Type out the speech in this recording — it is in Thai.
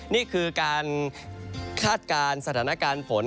นี่คือการคาดการณ์สถานการณ์ฝน